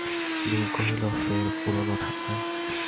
নীর কহিল, ফের পুরোনো ঠাট্টা?